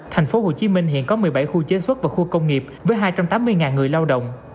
thành phố hồ chí minh hiện có một mươi bảy khu chế xuất và khu công nghiệp với hai trăm tám mươi người lao động